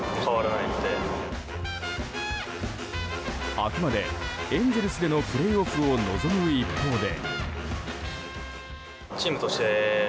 あくまでエンゼルスでのプレーオフを望む一方で。